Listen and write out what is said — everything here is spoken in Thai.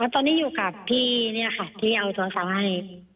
ตอนนี้อยู่กับพี่ที่เอาโทรศัพท์ให้